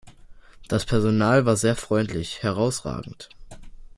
Das Personal war sehr freundlich, herrausragend!